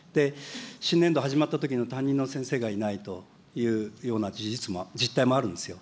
新年度始まったときの担任の先生がいないというような実態もあるんですよ。